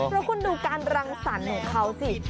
แล้วคุณดูการรังสรรค์ของเขาสิ